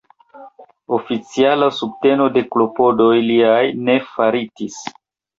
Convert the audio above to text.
Oficiala subteno de klopodoj liaj ne faritis.